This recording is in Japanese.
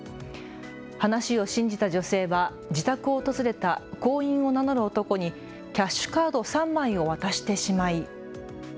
話を信じた女性は自宅を訪れた行員を名乗る男にキャッシュカード３枚を渡してしまい。